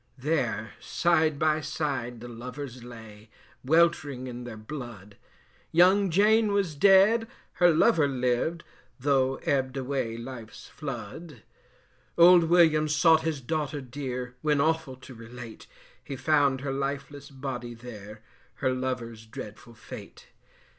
There side by side the lovers lay Weltering in their blood: Young Jane was dead, her lover lived, Though ebb'd away life's flood. Old Williams sought his daughter dear, When awful to relate, He found her lifeless body there, Her lover's dreadful fate.